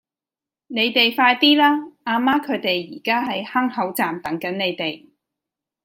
你哋快啲啦!阿媽佢哋而家喺坑口站等緊你哋